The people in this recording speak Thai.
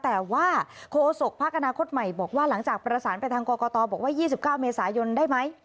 แต่ว่าโคศกพักอนาคตใหม่บอกว่าหลังจากประสานไปทางกรกตบอกว่า๒๙เมษายนได้ไหม